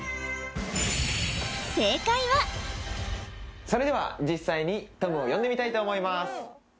正解はそれでは実際にトムを呼んでみたいと思います